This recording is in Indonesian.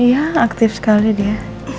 iya aktif sekali dia